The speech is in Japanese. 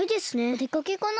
おでかけかな。